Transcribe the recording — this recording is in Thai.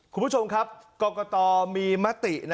คุณผู้ชมครับกรกตมีมติ